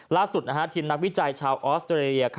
ล่าสุดทีมนักวิจัยชาวออสเตรเลีย